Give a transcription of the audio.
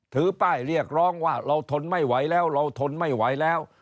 ถือป้ายเรียกร้องว่าเราทนไม่ไหวแล้วเราทนไม่ไหวแล้ว